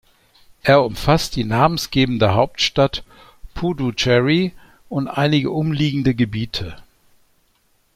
Er umfasst die namensgebende Hauptstadt Puducherry und einige umliegende Gebiete.